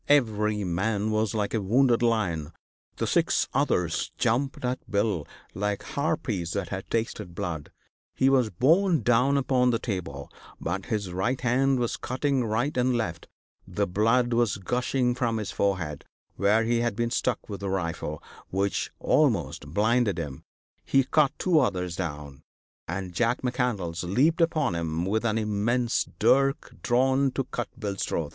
Every man was like a wounded lion; the six others jumped at Bill like harpies that had tasted blood. He was borne down upon the table, but his right hand was cutting right and left; the blood was gushing from his forehead, where he had been struck with a rifle, which almost blinded him; he cut two others down, and Jack McCandlas leaped upon him with an immense dirk drawn to cut Bill's throat.